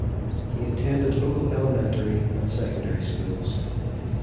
He attended local elementary and secondary schools.